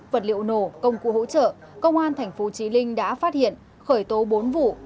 vật liệu nổ công cụ hỗ trợ công an tp chí linh đã phát hiện khởi tố bốn vụ